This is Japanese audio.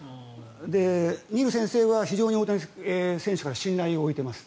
ニール先生は非常に大谷選手が信頼を置いています。